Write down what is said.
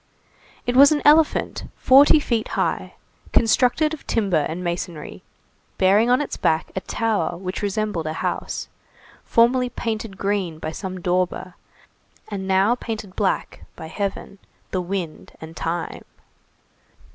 It was an elephant forty feet high, constructed of timber and masonry, bearing on its back a tower which resembled a house, formerly painted green by some dauber, and now painted black by heaven, the wind, and time.